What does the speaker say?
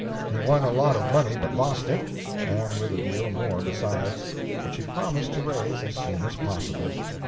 He won a lot of money, but lost it, and with it a deal more besides, which he promised to raise as soon as possible.